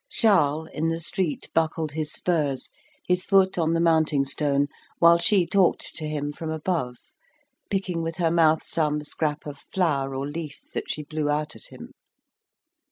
Charles, in the street buckled his spurs, his foot on the mounting stone, while she talked to him from above, picking with her mouth some scrap of flower or leaf that she blew out at him.